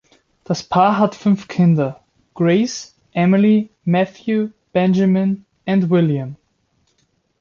Das Paar hat fünf Kinder: Grace, Emily, Matthew, Benjamin and William.